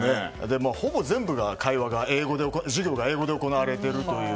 ほぼ全部授業が英語で行われているという。